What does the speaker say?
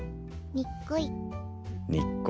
にっこり。